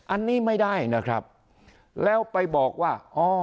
อันนี้ไม่ได้นะครับแล้วไปบอกว่าอ๋อ